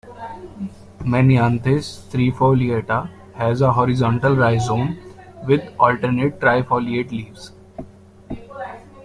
"Menyanthes trifoliata" has a horizontal rhizome with alternate, trifoliate leaves.